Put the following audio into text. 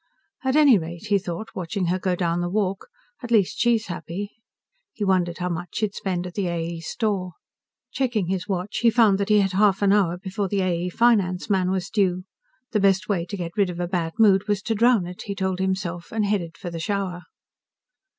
At any rate, he thought, watching her go down the walk, at least she's happy. He wondered how much she'd spend at the A. E. store. Checking his watch, he found that he had half an hour before the A. E. finance man was due. The best way to get rid of a bad mood was to drown it, he told himself, and headed for the shower.